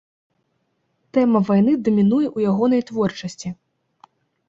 Тэма вайны дамінуе ў ягонай творчасці.